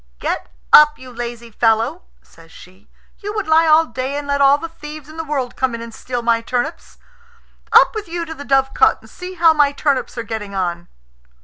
"Get up, you lazy fellow," says she; "you would lie all day and let all the thieves in the world come in and steal my turnips. Up with you to the dovecot and see how my turnips are getting on."